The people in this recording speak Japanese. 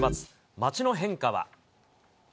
街の変化は。